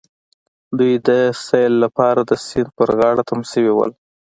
دوی د سيل لپاره د سيند په غاړه تم شوي وو.